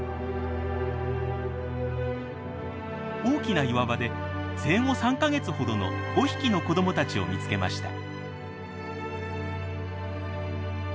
大きな岩場で生後３か月ほどの５匹の子どもたちを見つけました。